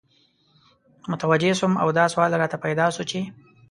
متوجه سوم او دا سوال راته پیدا سو چی